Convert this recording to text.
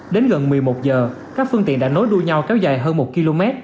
đến gần một mươi một giờ các phương tiện đã nối đuôi nhau kéo dài hơn một km